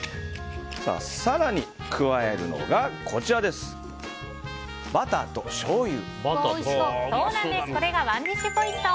更に加えるのがバターとしょうゆ。